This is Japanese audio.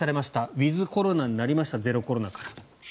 ウィズコロナになりましたゼロコロナから。